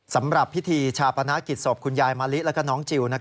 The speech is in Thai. สำหรับพิธีชาปนกิจศพคุณยายมะลิและน้องจิล